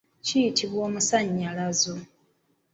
Kiyitibwa omusannyalazo.